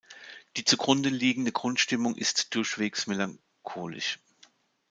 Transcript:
Die zugrunde liegende Grundstimmung ist durchwegs melancholisch.